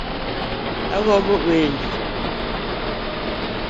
Agombo wendi.